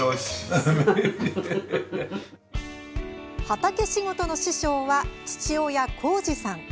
畑仕事の師匠は父親・紘二さん。